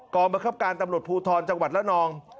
กรรมบังคับการตำรวจภูทรจังหวัดละนอง